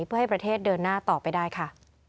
เพื่อให้ประเทศเดินหน้าต่อไปได้ค่ะ